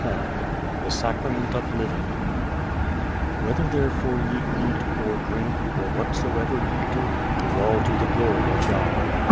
_ X The Sacrament of Living Whether therefore ye eat, or drink, or whatsoever ye do, do all to the glory of God.